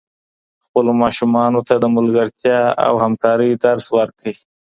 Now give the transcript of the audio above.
خپلو ماشومانو ته د ملګرتیا او همکارۍ درس ورکړئ.